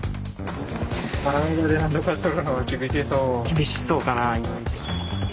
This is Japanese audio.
厳しそうかな。